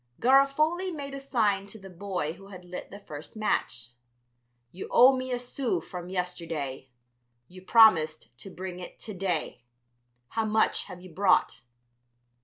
Garofoli made a sign to the boy who had lit the first match. "You owe me a sou from yesterday; you promised to bring it to day. How much have you brought?"